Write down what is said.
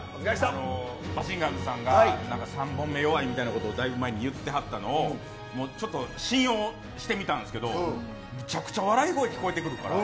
マシンガンズさんが３本目弱いみたいなことをだいぶ前に言ってはったのを信用してみたんですけど無茶苦茶笑い声聞こえてくるから。